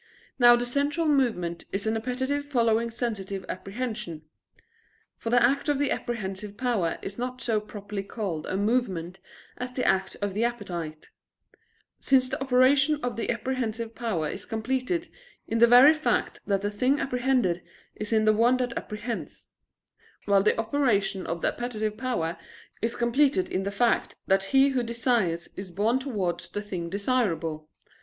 Now the sensual movement is an appetite following sensitive apprehension. For the act of the apprehensive power is not so properly called a movement as the act of the appetite: since the operation of the apprehensive power is completed in the very fact that the thing apprehended is in the one that apprehends: while the operation of the appetitive power is completed in the fact that he who desires is borne towards the thing desirable.